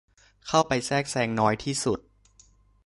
เข้าไปแทรกแซงน้อยที่สุด